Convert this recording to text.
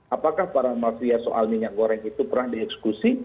apakah para mafia soal minyak goreng itu pernah dieksekusi